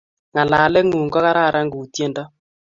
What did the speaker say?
ng'alalet ng'un ko kararan ku tiendo